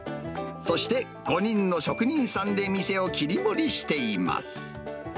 そして、５人の職人さんで店を切り盛りしています。